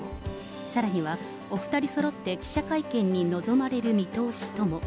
さらには、お２人そろって記者会見に臨まれる見通しとも。